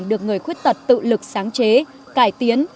được người khuyết tật tự lực sáng chế cải tiến